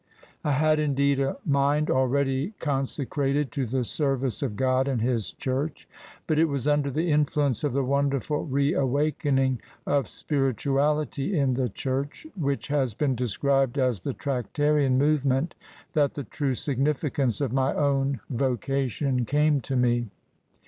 I had indeed a mind already conse crated to the service of God and His church, but it was under the influence of the wonderful re awakening of spirituality in the church, which has been described as the Tractarian movement, that the true significance of my own vocation came to me."